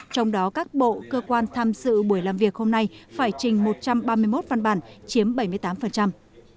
trong đó các bộ cơ quan tham dự buổi làm việc hôm nay phải trình một trăm ba mươi một văn bản chiếm bảy mươi tám